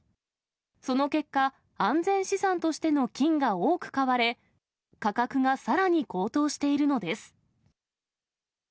その結果、安全資産としての金が多く買われ、価格がさらに高騰しているのです。